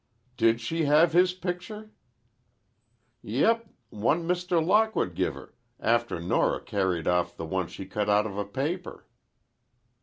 "Did she have his picture?" "Yep, one Mr. Lockwood guv her, after Nora carried off the one she cut out of a paper."